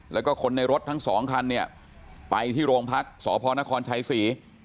แล้วก็คนในรถทั้งสองคันเนี่ยไปที่โรงพักษพนครชัยศรี